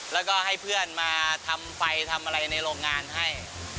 และก็ให้เพื่อนมาทำไฟในโรงงานให้